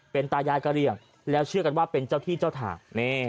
เป็นตายายกระเรียงแล้วเชื่อกันว่าเป็นเจ้าที่เจ้าทาง